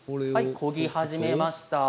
こぎ始めました。